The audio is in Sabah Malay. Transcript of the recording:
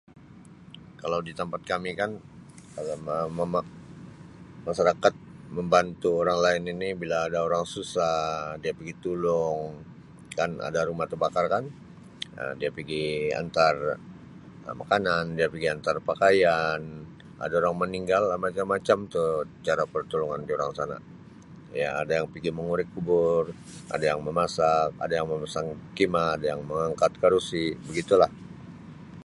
Kalau di tempat kami kan kalau ma -ma masyarakat membantu orang lain ini bila ada orang susah dia pigi tulung dan ada rumah terbakar kan Um dia pigi hantar makanan dia pigi hantar pakaian ada orang meninggal macam -macam tu cara pertolongan dorang sana ya ada yang pigi mengurik kubur ada yang memasak ada yang pengursan khemah ada yang mengangkat kerusi begitulah.